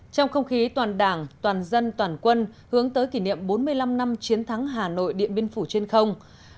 trong không khí toàn đảng toàn dân toàn quân hướng tới kỷ niệm bốn mươi năm năm chiến thắng hà nội điện biên phủ trên không